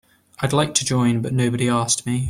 I'd like to join but nobody asked me.